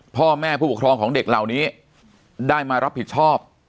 พ่อแม่ผู้ปกครองของเด็กเหล่านี้ได้มารับผิดชอบ